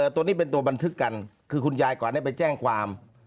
ตัวนี้เป็นตัวบันทึกกันคือคุณยายก่อนได้ไปแจ้งความ